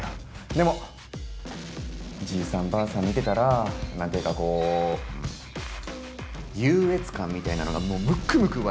でもじいさんばあさん見てたらなんていうかこう優越感みたいなのがもうムクムク湧いてきて。